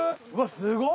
すごい。